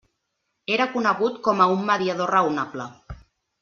Era conegut com a un mediador raonable.